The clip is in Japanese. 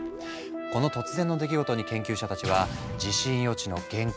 この突然の出来事に研究者たちは地震予知の限界を知ったんだ。